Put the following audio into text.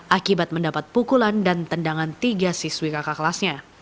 akibat mendapat pukulan dan tendangan tiga siswi kakak kelasnya